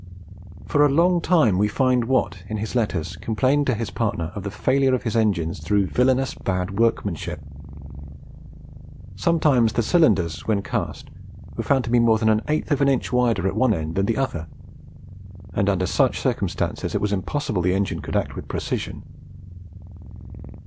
For a long time we find Watt, in his letters, complaining to his partner of the failure of his engines through "villainous bad workmanship." Sometimes the cylinders, when cast, were found to be more than an eighth of an inch wider at one end than the other; and under such circumstances it was impossible the engine could act with precision.